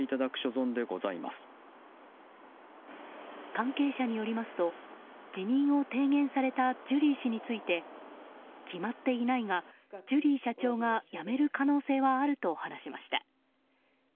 関係者によりますと辞任を提言されたジュリー氏について決まっていないがジュリー社長が辞める可能性はあると話しました。